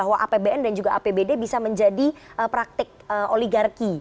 apbn dan apbd bisa menjadi praktek oligarki